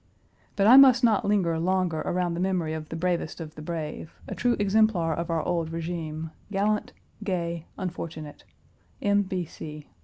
But I must not linger longer around the memory of the bravest of the brave a true exemplar of our old régime, gallant, gay, unfortunate. M.